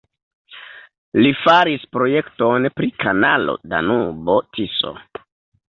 Li faris projekton pri kanalo Danubo-Tiso.